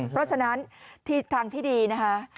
เพราะฉะนั้นทางที่ดีนะคะ